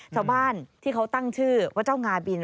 ชาวบ้านที่เขาตั้งชื่อว่าเจ้างาบิน